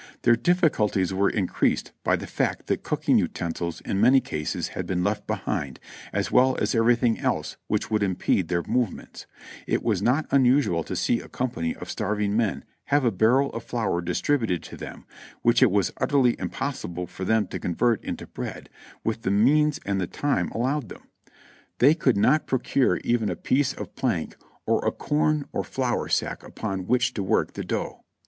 Their difficulties were increased by the fact that cooking utensils in many cases had been left behind, as well as everything else which would impede their movements ; it was not unusual to see a company of starving men have a barrel of flour distributed to them, which it was utterly impossible for them to convert into bread with the means and the time allowed them ; they could PAROLED 311 not procure even a piece of plank or a corn or flower sack upon which to work the dough.